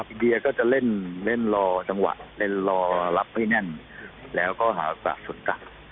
อินเดียก็จะเล่นเล่นรอจังหวะเล่นรอรับให้แน่นแล้วก็หาโอกาส